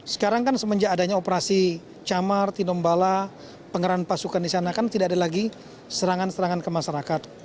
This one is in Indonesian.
sekarang kan semenjak adanya operasi camar tinombala pengerahan pasukan di sana kan tidak ada lagi serangan serangan ke masyarakat